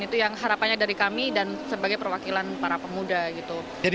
itu yang harapannya dari kami dan sebagai perwakilan para pemuda gitu